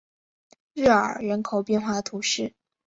热尔人口变化图示